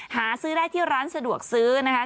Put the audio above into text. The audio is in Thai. หาซื้อได้ที่ร้านสะดวกซื้อนะคะ